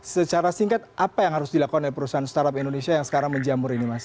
secara singkat apa yang harus dilakukan oleh perusahaan startup indonesia yang sekarang menjamur ini mas